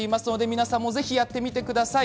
皆さんもぜひやってみてください。